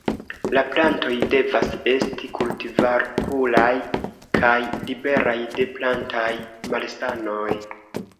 La plantoj devas esti kultivarpuraj kaj liberaj de plantaj malsanoj.